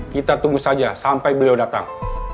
kita tunggu saja sampai beliau datang